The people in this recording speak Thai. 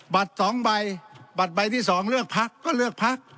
บัตรสองใบบัตรใบที่สองเลือกพักก็เลือกพัก